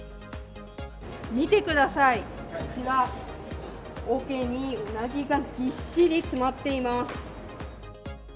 見てください、こちら、おけにウナギがぎっしり詰まっています。